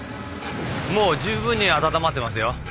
もう十分に温まってますよ